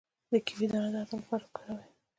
د کیوي دانه د هضم لپاره وکاروئ